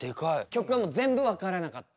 曲がもう全部わからなかった。